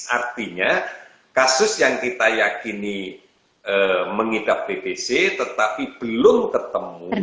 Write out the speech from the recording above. artinya kasus yang kita yakini mengidap bbc tetapi belum ketemu